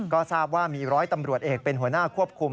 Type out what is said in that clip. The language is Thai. ก็ทราบว่ามีร้อยตำรวจเอกเป็นหัวหน้าควบคุม